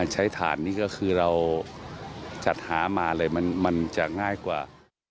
ฐานนี้ก็คือเราจัดหามาเลยมันจะง่ายกว่า